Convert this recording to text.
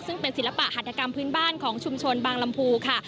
ซึ่งเป็นศิลปะหัตถกรรมพื้นบ้านของชุมชนบางลำพูค่ะ